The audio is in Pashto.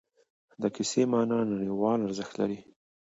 د کیسې معنا نړیوال ارزښت لري.